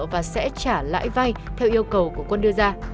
và sẽ trả lãi vay theo yêu cầu của quân đưa ra